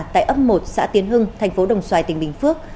tại ấp một xã tiến hưng thành phố đồng xoài tỉnh bình phước